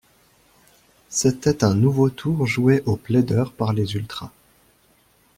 C'était un nouveau tour joué au plaideur par les ultras.